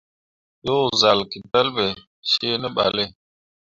Yo zal ke pelɓe cea ne ɓalle.